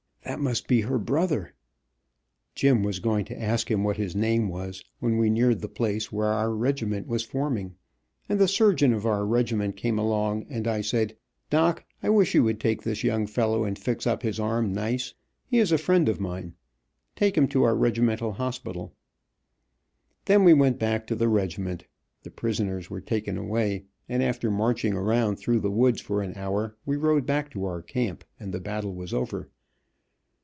That must be her brother." Jim was going to ask him what his name was, when we neared the place, where our regiment was forming and the surgeon of our regiment came along, and I said, "Doc, I wish you would take this young fellow and fix up his arm nice. He is a friend of mine. Take him to our regimental hospital." Then we went back to the regiment, the prisoners were taken away, and after marching around through the woods for an hour we rode back to our camp, and the battle was over.